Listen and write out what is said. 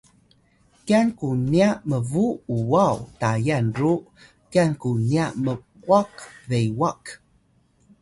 kyan ku niya mbuw uwaw Tayan ru kyan ku niya mwak bewak